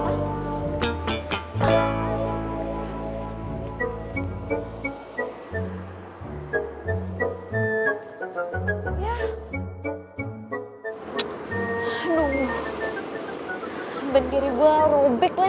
aduh ben kiri gua rubik lagi